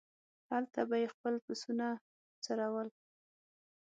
هلته به یې خپل پسونه څرول.